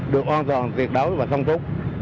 được an toàn tiệt đối và thông thúc